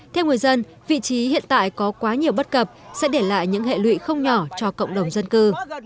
theo người dân vị trí hiện tại có quá nhiều bất cập sẽ để lại những hệ lụy không nhỏ cho cộng đồng dân cư